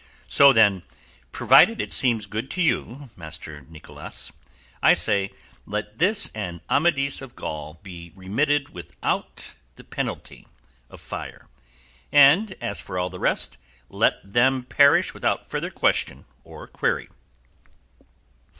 So then, provided it seems good to you, Master Nicholas, I say let this and 'Amadis of Gaul' be remitted the penalty of fire, and as for all the rest, let them perish without further question or query."